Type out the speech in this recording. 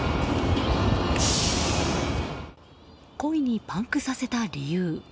故意にパンクさせた理由